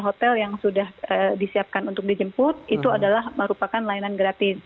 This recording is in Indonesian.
hotel yang sudah disiapkan untuk dijemput itu adalah merupakan layanan gratis